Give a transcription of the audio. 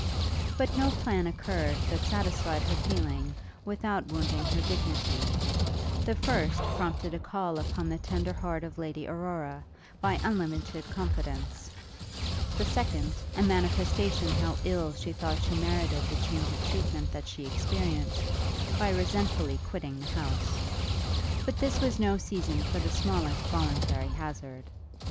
But no plan occurred that satisfied her feeling without wounding her dignity: the first prompted a call upon the tender heart of Lady Aurora, by unlimited confidence; the second, a manifestation how ill she thought she merited the change of treatment that she experienced, by resentfully quitting the house: but this was no season for the smallest voluntary hazard.